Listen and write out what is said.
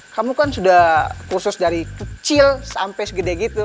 kamu kan sudah kursus dari kecil sampai segede gitu